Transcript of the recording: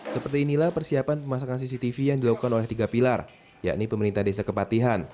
seperti inilah persiapan pemasakan cctv yang dilakukan oleh tiga pilar yakni pemerintah desa kepatihan